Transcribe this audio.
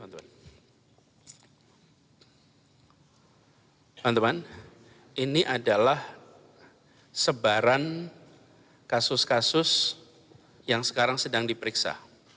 teman teman ini adalah sebaran kasus kasus yang sekarang sedang diperiksa